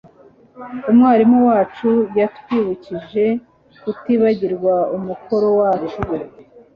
Umwarimu wacu yatwibukije kutibagirwa umukoro wacu